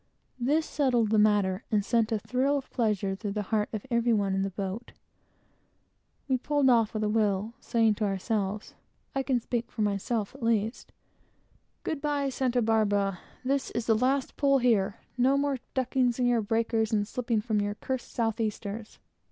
This settled the matter, and sent a thrill of pleasure through the heart of every one in the boat. We pulled off with a will, saying to ourselves (I can speak for myself at least) "Good by, Santa Barbara! This is the last pull here No more duckings in your breakers, and slipping from your cursed south easters!"